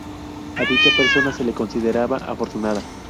A dicha persona se le consideraba afortunada.